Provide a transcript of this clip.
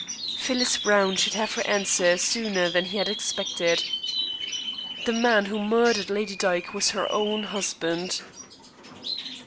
Phyllis Browne should have her answer sooner than he had expected. The man who murdered Lady Dyke was her own husband.